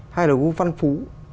hay là khu văn phú